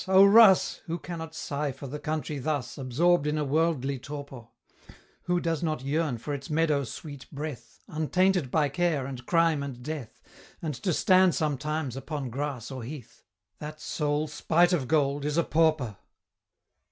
O rus!" Who cannot sigh for the country thus, Absorb'd in a wordly torpor Who does not yearn for its meadow sweet breath, Untainted by care, and crime, and death, And to stand sometimes upon grass or heath That soul, spite of gold, is a pauper!